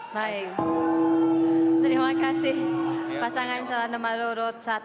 baik terima kasih pasangan salah nama lurut satu